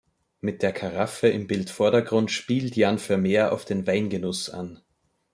Mit der Karaffe im Bildvordergrund spielt Jan Vermeer auf den Weingenuss an.